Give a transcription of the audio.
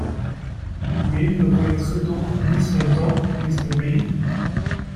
Mais il ne connaitrait donc ni son temps ni son pays.